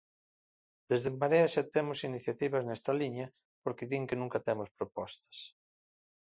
Desde En Marea xa temos iniciativas nesta liña porque din que nunca temos propostas.